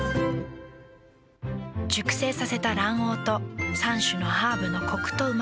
熟成させた卵黄と３種のハーブのコクとうま味。